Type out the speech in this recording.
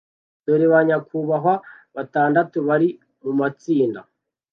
Dore banyakubahwa batandatu bari mumatsinda